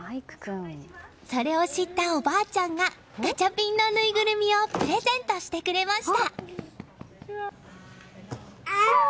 それを知ったおばあちゃんがガチャピンのぬいぐるみをプレゼントしてくれました。